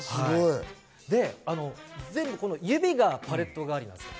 指がパレット代わりなんですよ。